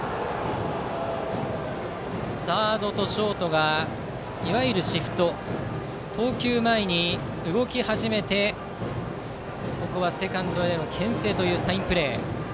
サードとショートがいわゆるシフト投球前に動き始めてここはセカンドへのけん制というサインプレー。